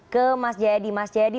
ke mas jayadi mas jayadi